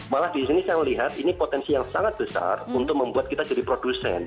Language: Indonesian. malah di sini saya melihat ini potensi yang sangat besar untuk membuat kita jadi produsen